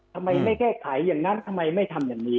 ทำไมไม่แก้ไขอย่างนั้นทำไมไม่ทำอย่างนี้